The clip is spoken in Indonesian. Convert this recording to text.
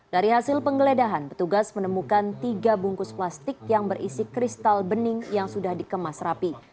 dari hasil penggeledahan petugas menemukan tiga bungkus plastik yang berisi kristal bening yang sudah dikemas rapi